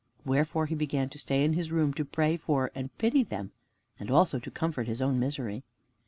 Wherefore he began to stay in his room to pray for and pity them, and also to comfort his own misery.